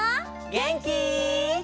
げんき？